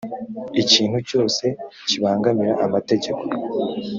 ikintu cyose kibangamira amategeko